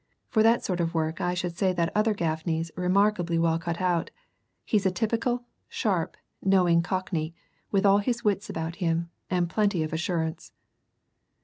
For that sort of work I should say that other Gaffney's remarkably well cut out he's a typical, sharp, knowing Cockney, with all his wits about him, and plenty of assurance."